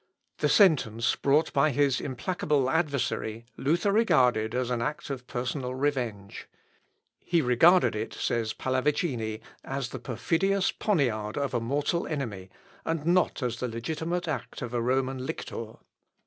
The sentence brought by his implacable adversary, Luther regarded as an act of personal revenge. "He regarded it," says Pallavicini, "as the perfidious poniard of a mortal enemy, and not as the legitimate act of a Roman lictor."